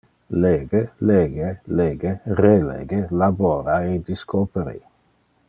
Lege, lege, lege, relege, labora e discoperi.